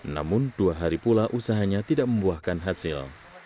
namun dua hari pula usahanya tidak membuahkan hasil